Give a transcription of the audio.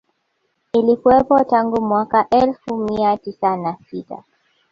Ilikuwepo tangu mwaka elfu moja mia tisa na sita